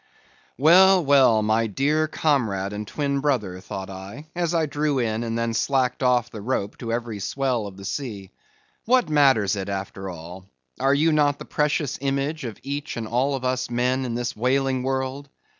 Well, well, my dear comrade and twin brother, thought I, as I drew in and then slacked off the rope to every swell of the sea—what matters it, after all? Are you not the precious image of each and all of us men in this whaling world?